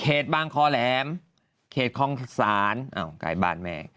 บางคอแหลมเขตคลองศาลอ้าวใกล้บ้านแม่